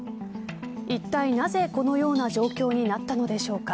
いったいなぜこのような状況になったのでしょうか。